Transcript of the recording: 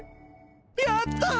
やった！